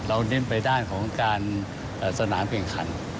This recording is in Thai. เราเน้นไปด้านของการสนามเพียงขัน